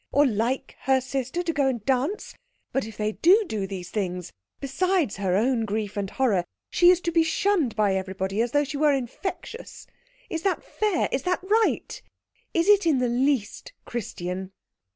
Or like her sister to go and dance? But if they do do these things, besides her own grief and horror, she is to be shunned by everybody as though she were infectious. Is that fair? Is that right? Is it in the least Christian?"